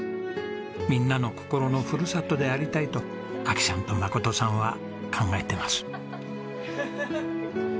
みんなの心のふるさとでありたいと亜紀さんと真さんは考えてます。